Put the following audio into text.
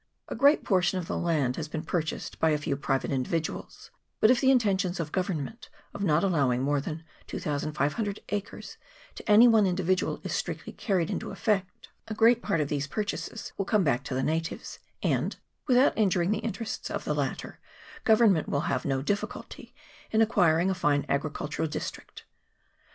A great portion of the land has been purchased by a few private individuals ; but if the intentions of Government, of not allowing more than 2500 acres to any one individual, is strictly carried into effect, a great part of these purchases will come back to the natives, and, without injuring the interests of the latter, government will have no difficulty in acquiring a fine agricultural dis trict.